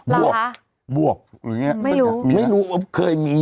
แต่อาจจะส่งมาแต่อาจจะส่งมา